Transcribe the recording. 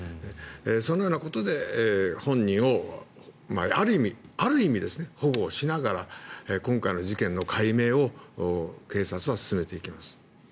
そのようなことで本人をある意味、保護しながら今回の事件の解明を警察は進めていきます。